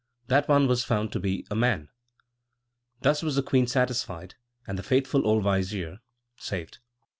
That one was found to be a man!! Thus was the queen satisfied, and the faithful old vizier saved.